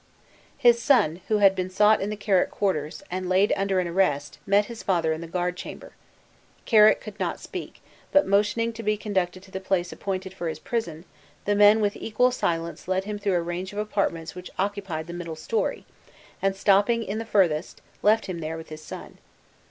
His son, who had been sought in the Carrick quarters, and laid under an arrest, met his father in the guard chamber. Carrick could not speak; but motioning to be conducted to the place appointed for his prison, the men with equal silence led him through a range of apartments which occupied the middle story, and stopping in the furthest, left him there with his son.